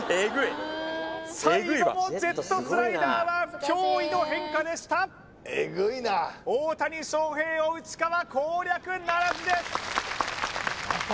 最後もジェットスライダーは驚異の変化でした大谷翔平を内川攻略ならずです